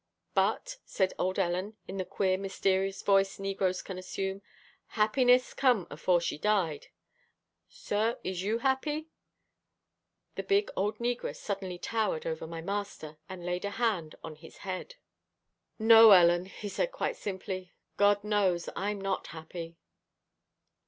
"But," said old Ellen in the queer, mysterious voice negroes can assume, "happiness come afore she died Sir, is you happy?" The big, old negress suddenly towered over my master, and laid a hand on his head. "No, Ellen," he said quite simply, "God knows I'm not happy."